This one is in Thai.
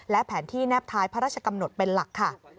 และแผนที่แนบท้ายพระราชกำหนดเป็นหลักค่ะ